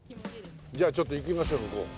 じゃあちょっと行きましょう向こう。